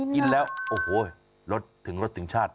กินแล้วโอ้โหรสถึงรสถึงชาติ